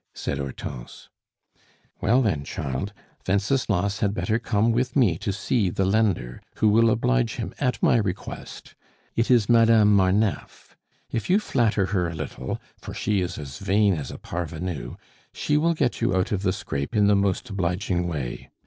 said Hortense. "Well, then, child, Wenceslas had better come with me to see the lender, who will oblige him at my request. It is Madame Marneffe. If you flatter her a little for she is as vain as a parvenue she will get you out of the scrape in the most obliging way.